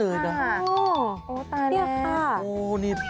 โอ้ตายแล้ว